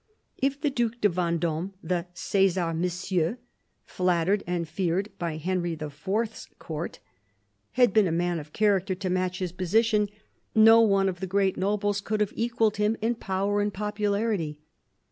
If the Due de Vendome — the "Cesar Monsieur " flattered and feared by Henry IV.'s Court — had been a man of character to match his position, no one of the great nobles could have equalled him in power and popularity.